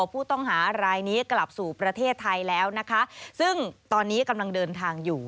ผู้ต้องหารายนี้กลับสู่ประเทศไทยแล้วนะคะซึ่งตอนนี้กำลังเดินทางอยู่